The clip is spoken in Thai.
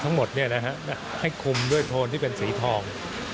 ทั้งหมดให้คุมด้วยโทนที่เป็นสีทอง